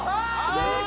正解！